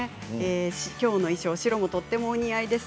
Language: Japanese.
きょうの衣装白がとてもお似合いです。